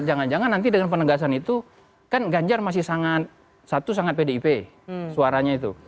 jangan jangan nanti dengan penegasan itu kan ganjar masih sangat satu sangat pdip suaranya itu